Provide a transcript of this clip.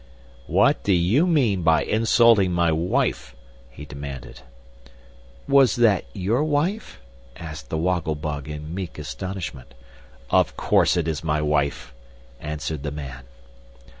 "What do you mean by insulting my wife?" he demanded. "Was that your wife?" asked the Woggle Bug, in meek astonishment. "Of course it is my wife," answered the man.